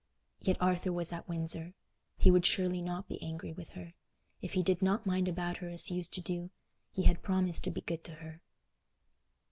Yet Arthur was at Windsor; he would surely not be angry with her. If he did not mind about her as he used to do, he had promised to be good to her.